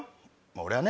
俺はね